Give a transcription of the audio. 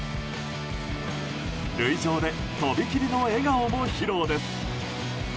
塁上でとびきりの笑顔も披露です。